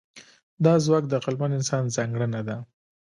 دا ځواک د عقلمن انسان ځانګړنه ده.